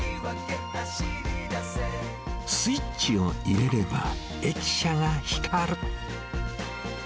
スイッチを入れれば、駅舎が光る。